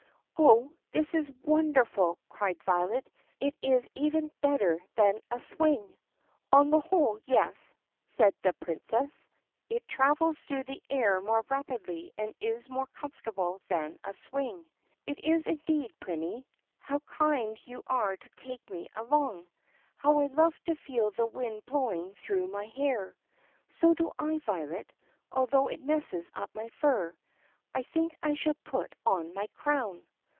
"Oh, this is wonderful!" cried Violet. "It is even better than a swing." "On the whole, yes," said the Princess. "It travels through the air more rapidly and is more comfortable than a swing." "It is indeed, Prinny. Oh, how kind you are to take me along! How I love to feel the wind blowing through my hair!" "So do I, Violet, although it messes up my fur. I think I shall put on my crown."